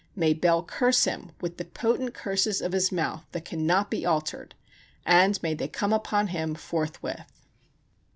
May Bel curse him with the potent curses of his mouth that cannot be altered, and may they come upon, him forthwith.